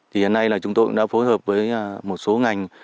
thì hiện nay chúng tôi đã phối hợp với một số ngành